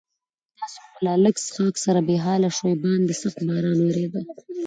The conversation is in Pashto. تاسې خو له لږ څښاک سره بې حاله شوي، باندې سخت باران ورېده.